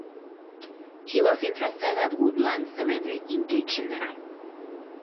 He was interred at Woodland Cemetery in Kitchener.